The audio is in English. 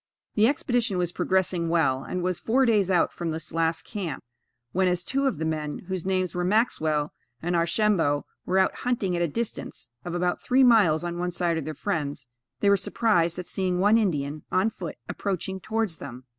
The expedition was progressing well, and was four days out from this last camp; when, as two of the men, whose names were Maxwell and Archambeau, were out hunting at a distance of about three miles on one side of their friends, they were surprised at seeing one Indian, on foot, approaching towards them.